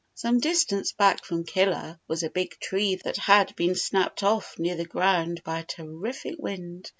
Some distance back from Killer was a big tree that bad been snapped off near the ground by a terrific wind.